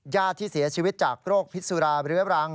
ญาติที่เสียชีวิตจากโรคพิษสุราเรื้อรัง